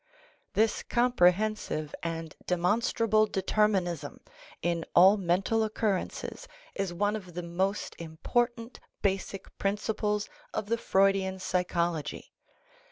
This comprehensive and demonstrable determinism in all mental occur rences is one of the most important basic principles of the Freud ian psychology.